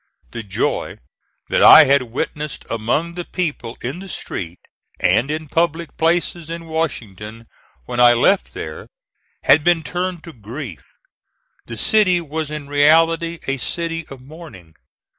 The joy that I had witnessed among the people in the street and in public places in Washington when I left there, had been turned to grief; the city was in reality a city of mourning.